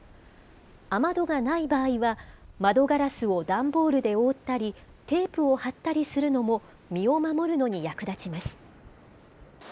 雨戸がない場合は、窓ガラスを段ボールで覆ったり、テープを貼ったりするのも、身を守るのに役立ちます。